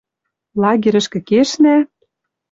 Лагерьӹшкӹ кешнӓ —